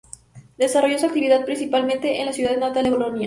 Desarrolló su actividad principalmente en su ciudad natal, Bolonia.